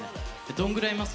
どんぐらいいます？